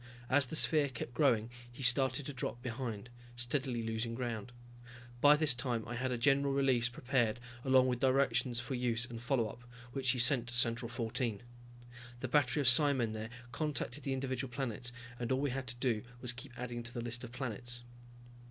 As the sphere kept growing he started to drop behind, steadily losing ground. By this time I had a general release prepared, along with directions for use and follow up, which he sent to Central 14. The battery of psimen there contacted the individual planets and all we had to do was keep adding to the list of planets.